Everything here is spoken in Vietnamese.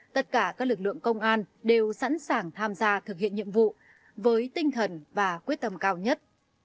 tất cả các lực lượng công an đều sẵn sàng tham gia thực hiện nhiệm vụ với tinh thần và quyết tâm cao nhất